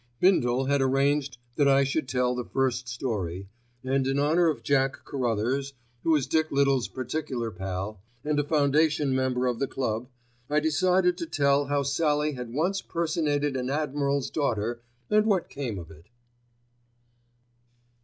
Bindle had arranged that I should tell the first story, and in honour of Jack Carruthers, who is Dick Little's particular pal, and a foundation member of the Club, I decided to tell how Sallie had once personated an admiral's daughter and what came of it.